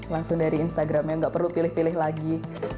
langsung dari instagram ya nggak perlu pilih pilih lagi